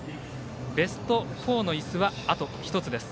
ベスト４のいすは、あと１つです。